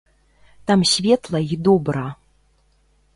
Там светла і добра.